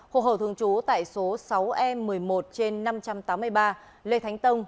hồ hồ thường trú tại số sáu e một mươi một trên năm trăm tám mươi ba lê thánh tân